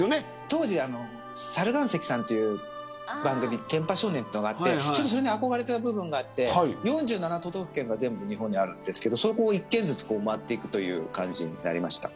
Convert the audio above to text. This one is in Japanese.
当時は猿岩石さんの番組電波少年があってそれに憧れていた部分があって４７都道府県が日本にあるんですけどそこを１県ずつ周っていく感じになりました。